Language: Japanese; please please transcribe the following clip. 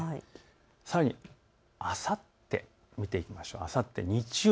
さらにあさって見ていきましょう。